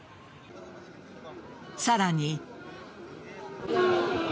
さらに。